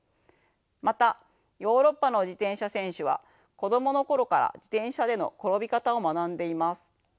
またヨーロッパの自転車選手は子供のころから自転車での転び方を学んでいます。